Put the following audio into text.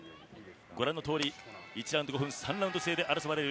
ご覧のとおり、１ラウンド５分３ラウンド制で争われる